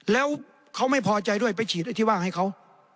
แล้วเขาไม่พอใจด้วยไปฉีดไอ้ที่ว่างให้เขา